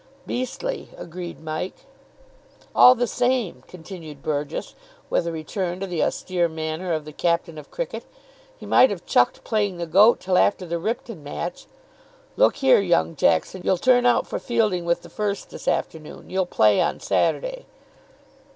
"Beastly," agreed Mike. "All the same," continued Burgess, with a return to the austere manner of the captain of cricket, "he might have chucked playing the goat till after the Ripton match. Look here, young Jackson, you'll turn out for fielding with the first this afternoon. You'll play on Saturday."